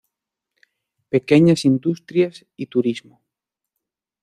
Pequeñas industrias y turismo.